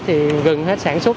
thì gần hết sản xuất